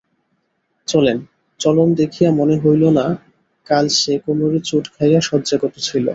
চলন দেখিয়া মনে হইল না কাল সে কোমরে চোট খাইয়া শয্যাগত ছিল।